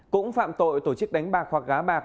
cũng phạm tội tổ chức đánh bạc hoặc gá bạc